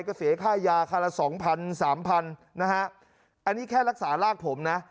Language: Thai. ก็เสียค่ายาคันละสองพันสามพันนะฮะอันนี้แค่รักษารากผมนะ